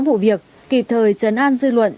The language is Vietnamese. vụ việc kịp thời chấn an dư luận